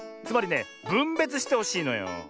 つまりねぶんべつしてほしいのよ。